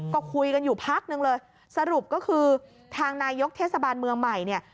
ก็คุยกันอยู่พักนึงเลยสรุปก็คือทางนายกเทศบาลเมืองใหม่เนี่ย